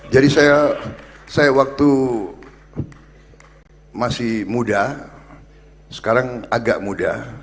jadi saya saya waktu masih muda sekarang agak muda